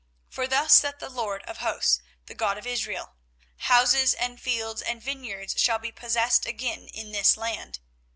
24:032:015 For thus saith the LORD of hosts, the God of Israel; Houses and fields and vineyards shall be possessed again in this land.